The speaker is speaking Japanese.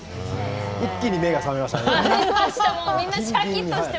一気に目が覚めました。